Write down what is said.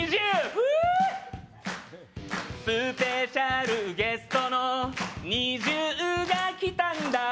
フーッスペシャルゲストのＮｉｚｉＵが来たんだ